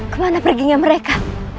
kemana perginya mereka